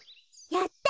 やった！